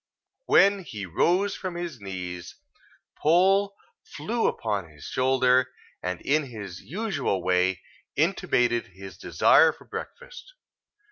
When he rose from his knees, Poll flew upon his shoulder, and in his usual way, intimated his desire for breakfast.